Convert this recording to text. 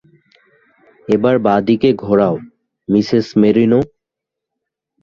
এবার, বাঁদিকে ঘোরাও, মিসেস মেরিনো।